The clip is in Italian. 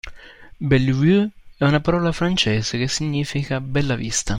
Bellevue è una parola francese che significa "bella vista".